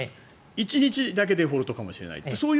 １日だけデフォルトじゃないかもしれない。